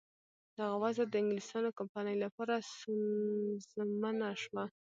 دغه وضع د انګلیسیانو کمپنۍ لپاره سونسزمه شوه.